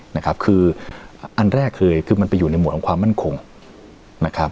นะครับคืออันแรกคือมันไปอยู่ในหวดของความมั่นคงนะครับ